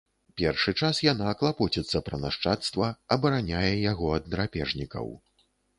Першы час яна клапоціцца пра нашчадства, абараняе яго ад драпежнікаў.